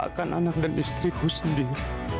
bapakkan anak dan istriku sendiri